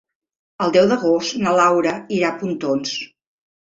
El deu d'agost na Laura irà a Pontons.